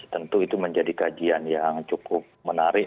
tentu itu menjadi kajian yang cukup menarik